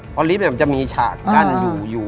เพราะลิฟท์เนี่ยมันจะมีฉากกันอยู่